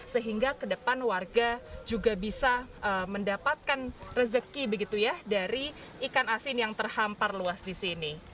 sehingga ke depan warga juga bisa mendapatkan rezeki begitu ya dari ikan asin yang terhampar luas di sini